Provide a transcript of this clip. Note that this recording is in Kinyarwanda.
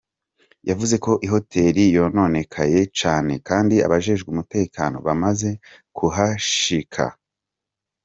Yavuze ko ihoteli yononekaye cane, kandi ko abajejwe umutekano bamaze kuhashika.